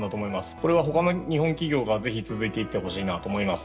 これは他の日本企業が続いていってほしいと思います。